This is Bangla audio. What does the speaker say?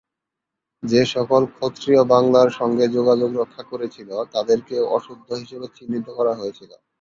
যে সকল ক্ষত্রীয় বাংলার সঙ্গে যোগাযোগ রক্ষা করেছিলো, তাদেরকেও অশুদ্ধ হিসেবে চিহ্নিত করা হয়েছিল।